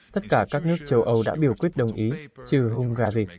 tất cả các nước châu âu đã biểu quyết đồng ý trừ hungary